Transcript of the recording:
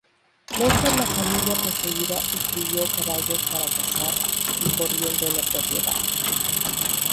Leger La familia poseída y crió caballos para cazar y corriendo en la propiedad.